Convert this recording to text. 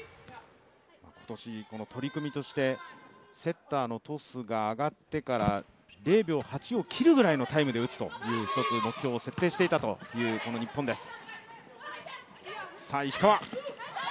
今年取り組みとしてセッターのトスが上がってから０秒８を切るぐらいのタイムで打つという一つ目標を設定していたという日本です。